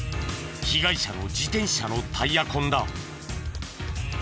被害者の自転車のタイヤ痕だ。